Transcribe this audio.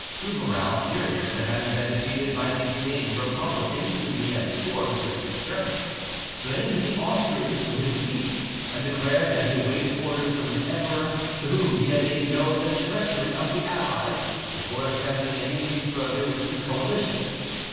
Souvarow, furious at having been defeated by these same Republicans whom he had sworn to exterminate, blamed the Austrians for his defeat, and declared that he awaited orders from his emperor, to whom he had made known the treachery of the allies, before attempting anything further with the coalition.